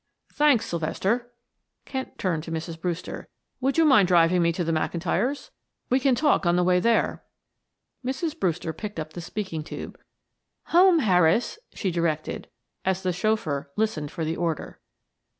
"Thanks, Sylvester." Kent turned to Mrs. Brewster. "Would you mind driving me to the McIntyre? We can talk on the way there." Mrs. Brewster picked up the speaking tube. "Home, Harris," she directed, as the chauffeur listened for the order.